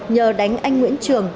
nhờ đánh anh nguyễn trường